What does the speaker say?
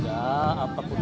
insya allah dalam waktu dekat